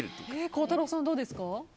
孝太郎さんはどうですか？